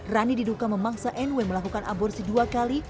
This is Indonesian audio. rani diduka memaksa nw melakukan aborsi dua kali